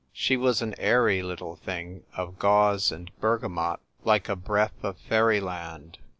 She was an airy little thing of gauze and bergamot, like a breath of fairy land.